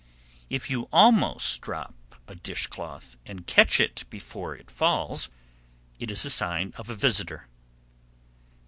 _ 746. If you almost drop a dish cloth and catch it before it falls, it is a sign of a visitor.